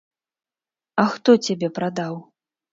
А хто цябе прадаў?